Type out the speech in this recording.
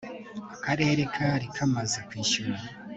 akarere kari kamaze kwishyura